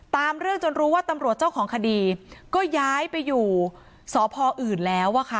ตามเรื่องจนรู้ว่าตำรวจเจ้าของคดีก็ย้ายไปอยู่สพอื่นแล้วอะค่ะ